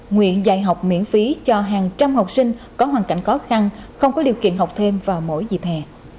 nguyện dạy học miễn phí cho hàng trăm học sinh có hoàn cảnh khó khăn không có điều kiện học thêm vào mỗi dịp hè